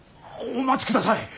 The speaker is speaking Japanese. お待ちください。